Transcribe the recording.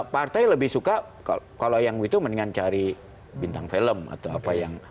partai lebih suka kalau yang itu mendingan cari bintang film atau apa yang